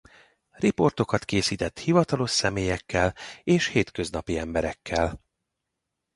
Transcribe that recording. Riportokat készített hivatalos személyekkel és hétköznapi emberekkel.